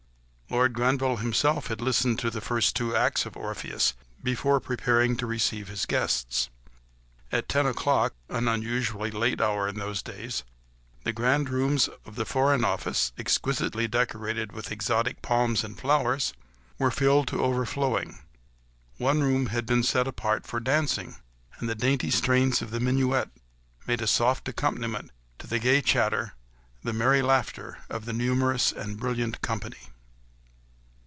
Lord Grenville himself had listened to the two first acts of Orpheus, before preparing to receive his guests. At ten o'clock—an unusually late hour in those days—the grand rooms of the Foreign Office, exquisitely decorated with exotic palms and flowers, were filled to overflowing. One room had been set apart for dancing, and the dainty strains of the minuet made a soft accompaniment to the gay chatter, the merry laughter of the numerous and brilliant company.